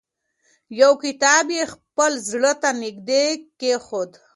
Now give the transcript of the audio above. یو کتاب یې خپل زړه ته نږدې کېښود.